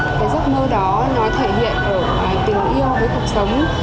cái giấc mơ đó nó thể hiện ở tình yêu với cuộc sống